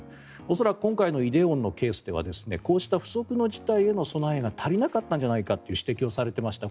恐らく、今回の梨泰院の事態ではこうした不測の事態への備えが足りなかったんではないかと指摘をされていました。